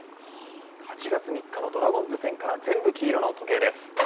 ８月３日のドラゴンズ戦から全部黄色の時計です。